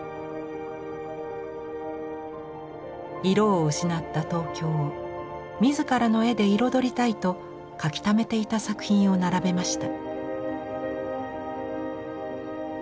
色を失った東京を自らの絵で彩りたいと描きためていた作品を並べました。